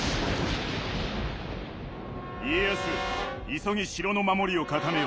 急ぎ城の守りを固めよ。